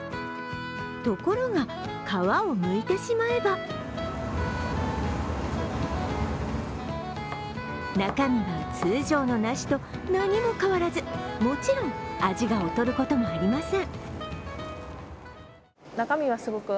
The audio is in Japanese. ところが、皮をむいてしまえば中身は通常の梨と何も変わらずもちろん味が劣ることもありません。